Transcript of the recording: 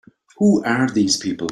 Who are these people?